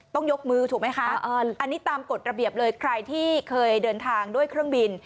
ต้องยกมือถูกไหมคะอันนี้ตามกฎระเบียบเลยใครที่เคยเดินทางด้วยเครื่องบิน